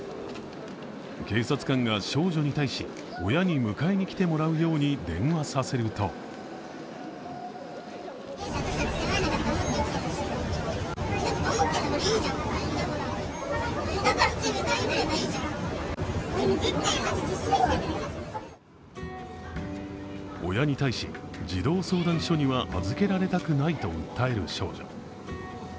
警察官が、少女に対し親に迎えに来てもらうように電話させると親に対し、児童相談所には預けられたくないと訴える少女。